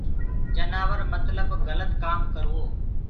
جنآورو متلب گلت ڪآم ڪروو